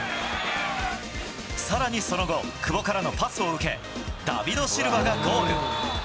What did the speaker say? さらにその後、久保からのパスを受け、ダビド・シルバがゴール。